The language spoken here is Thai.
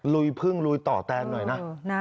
ลุยพึ่งลุยต่อแตนหน่อยนะ